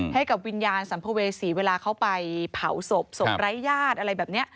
ให้กับวิญญาณสัมภเวษีเวลาเขาไปเผาศพศพไร้ญาติอะไรแบบนี้